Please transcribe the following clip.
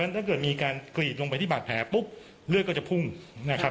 ถ้าเกิดมีการกรีดลงไปที่บาดแผลปุ๊บเลือดก็จะพุ่งนะครับ